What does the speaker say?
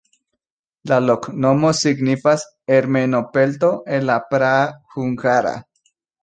La loknomo signifas ermeno-pelto en la praa hungara.